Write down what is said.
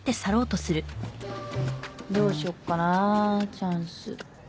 どうしよっかなチャンス